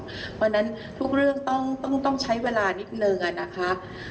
เพราะฉะนั้นทุกเรื่องต้องใช้เวลานิดนึงนะคะ